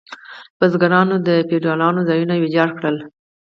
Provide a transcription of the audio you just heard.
بزګرانو د فیوډالانو ځایونه ویجاړ کړل.